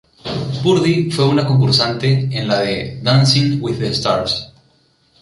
Purdy fue una concursante en la de "Dancing with the Stars".